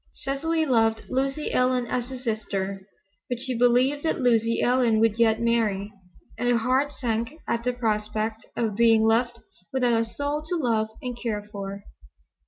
Cecily loved Lucy Ellen as a sister. But she believed that Lucy Ellen would yet marry, and her heart sank at the prospect of being left without a soul to love and care for.